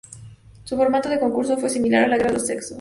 Su formato de concurso fue similar a La guerra de los sexos.